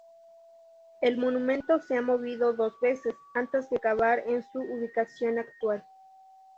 El monumento se ha movido dos veces antes de acabar en su ubicación actual.